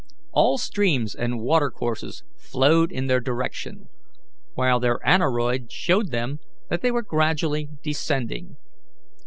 All streams and water courses flowed in their direction, while their aneroid showed them that they were gradually descending.